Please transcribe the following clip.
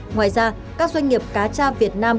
ngoài ra các doanh nghiệp cá cha việt nam